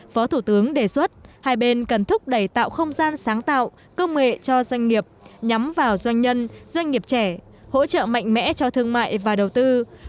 phó thủ tướng đề xuất hai bên cần thúc đẩy tạo không gian sáng tạo công nghệ cho doanh nghiệp nhắm vào doanh nhân doanh nghiệp trẻ hỗ trợ mạnh mẽ cho thương mại và đầu tư